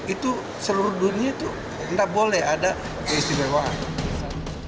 itu seluruh dunia itu tidak boleh ada keistimewaan